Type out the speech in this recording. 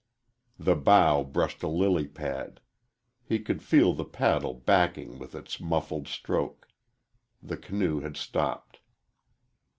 The bow brushed a lily pad. He could feel the paddle backing with its muffled stroke. The canoe had stopped.